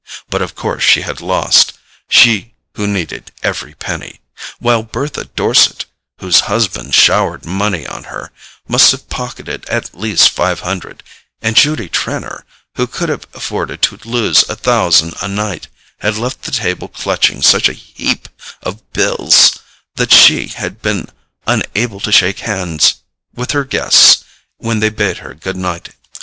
But of course she had lost—she who needed every penny, while Bertha Dorset, whose husband showered money on her, must have pocketed at least five hundred, and Judy Trenor, who could have afforded to lose a thousand a night, had left the table clutching such a heap of bills that she had been unable to shake hands with her guests when they bade her good night.